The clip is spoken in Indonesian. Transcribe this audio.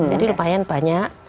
jadi lumayan banyak